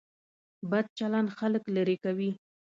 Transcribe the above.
بد چلند خلک لرې کوي.